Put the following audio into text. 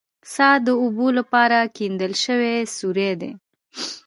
څا د اوبو لپاره کیندل شوی سوری دی